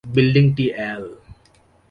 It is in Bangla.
বিল্ডিংটি এল।